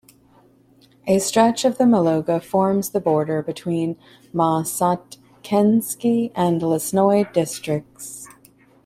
A stretch of the Mologa forms the border between Maksatikhinsky and Lesnoy Districts.